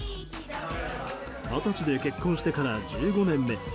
二十歳で結婚してから１５年目。